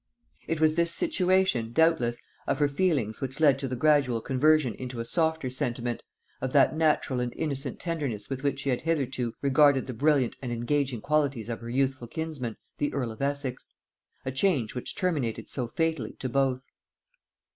It was this situation, doubtless, of her feelings which led to the gradual conversion into a softer sentiment, of that natural and innocent tenderness with which she had hitherto regarded the brilliant and engaging qualities of her youthful kinsman the earl of Essex; a change which terminated so fatally to both.